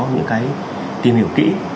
những cái tìm hiểu kỹ